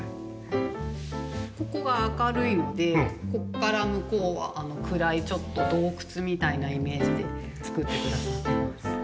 ここが明るいのでここから向こうは暗い洞窟みたいなイメージで作ってくださってます。